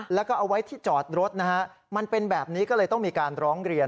แล้วก็เอาไว้ที่จอดรถนะฮะมันเป็นแบบนี้ก็เลยต้องมีการร้องเรียน